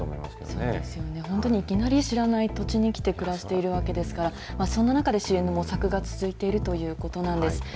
そうですよね、本当にいきなり知らない土地に来て暮らしているわけですから、そんな中で支援の模索が続いているということなんです。